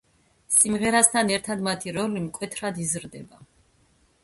სიღრმესთან ერთად მათი როლი მკვეთრად იზრდება.